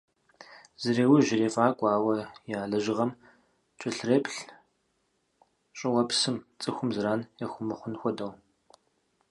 Зреужь, ирефӀакӀуэ, ауэ я лэжьыгъэм кӀэлъреплъ, щӀыуэпсым, цӀыхум зэран яхуэмыхъун хуэдэу.